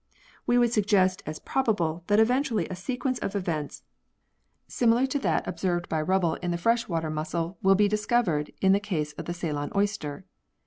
We would suggest as probable that eventually a sequence of events similar to that observed by 82 116 PEARLS [CH. Rubbel in the freshwater mussel, will be discovered in the case of the Ceylon oyster.